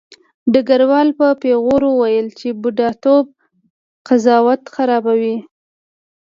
ډګروال په پیغور وویل چې بوډاتوب قضاوت خرابوي